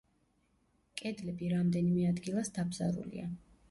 კედლები რამდენიმე ადგილას დაბზარულია.